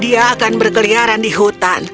dia akan berkeliaran di hutan